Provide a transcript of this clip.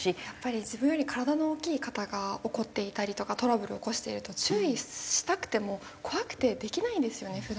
やっぱり自分より体の大きい方が怒っていたりとかトラブルを起こしていると注意したくても怖くてできないんですよね